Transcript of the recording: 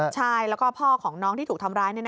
ใช่แล้วก็พ่อของน้องที่ถูกทำร้าย